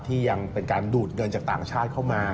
ยังเป็นการดูดเงินจากต่างชาติเข้ามา